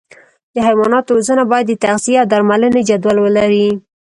د حیواناتو روزنه باید د تغذیې او درملنې جدول ولري.